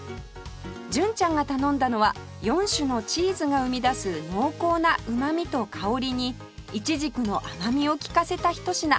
純ちゃんが頼んだのは４種のチーズが生み出す濃厚なうまみと香りにいちじくの甘みを利かせたひと品